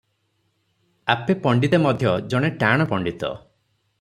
ଆପେ ପଣ୍ତିତେ ମଧ୍ୟ ଜଣେ ଟାଣ ପଣ୍ତିତ ।